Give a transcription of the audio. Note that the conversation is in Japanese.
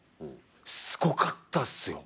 すごかったっすよ